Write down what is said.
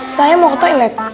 saya mau ke toilet